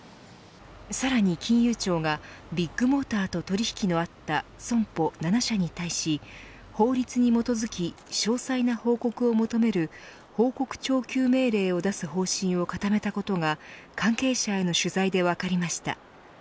さらに金融庁がビッグモーターと取引のあった損保７社に対し法律に基づき詳細な報告を求める報告徴求命令を出す方針を固めたことが関係者への取材で分かりました。